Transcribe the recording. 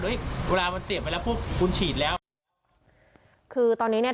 เวลามันเปลี่ยนไปแล้วพวกคุณฉีดแล้วคือตอนนี้เนี้ย